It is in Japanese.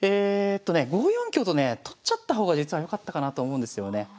５四香とね取っちゃった方が実は良かったかなと思うんですよね。